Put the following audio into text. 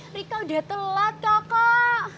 rika udah telat kakak